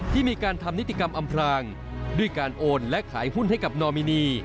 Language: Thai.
ที่มีการทำนิติกรรมอำพลางด้วยการโอนและขายหุ้นให้กับนอมินี